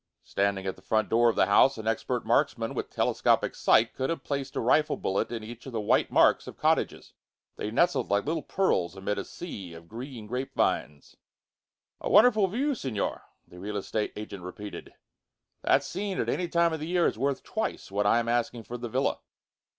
Standing at the front door of the house, an expert marksman with telescopic sight could have placed a rifle bullet in each of the white marks of cottages. They nestled like little pearls amid a sea of green grape vines. "A wonderful view, Signor," the real estate agent repeated. "That scene, at any time of the year, is worth twice what I am asking for the villa."